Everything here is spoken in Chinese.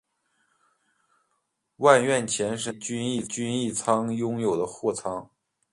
屋苑前身为均益仓拥有的货仓。